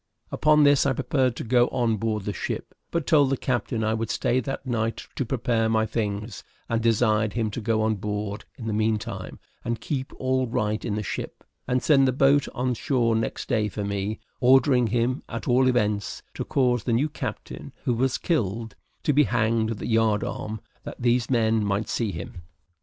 Upon this I prepared to go on board the ship; but told the captain I would stay that night to prepare my things, and desired him to go on board in the meantime, and keep all right in the ship, and send the boat on shore next day for me; ordering him, at all events, to cause the new captain, who was killed, to be hanged at the yard arm, that these men might see him.